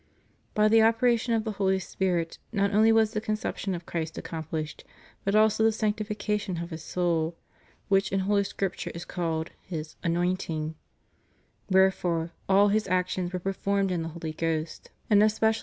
* By the operation of the Holy Spirit, not only was the conception of Christ accomplished, but also the sanctification of His soul, which, in Holy Scrip ture is called His anointing} Wlierefore all His actions were performed in the Holy Ghost,^ and especially the sac » Matt.